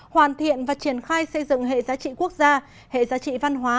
hoàn thiện và triển khai xây dựng hệ giá trị quốc gia hệ giá trị văn hóa